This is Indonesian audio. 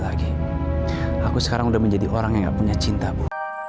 aku sekarang udah menjadi orang yang gak punya cinta bu